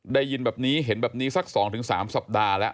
ได้ยินแบบนี้เห็นแบบนี้สัก๒๓สัปดาห์แล้ว